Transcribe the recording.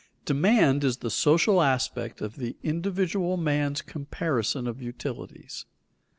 _Demand is the social aspect of the individual man's comparison of utilities.